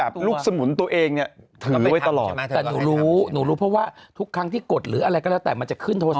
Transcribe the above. เพราะว่าทุกครั้งที่กดหรืออะไรก็แล้วแต่มันจะขึ้นโทรศัพท์